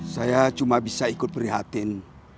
saya cuma bisa ikut prihatin